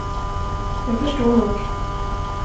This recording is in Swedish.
Jag förstår nog.